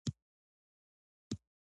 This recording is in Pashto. دا پانګوال بازار په واک کې لري